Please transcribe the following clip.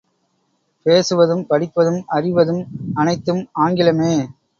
பேசுவதும் படிப்பதும் அறிவதும் அனைத்தும் ஆங்கிலமே.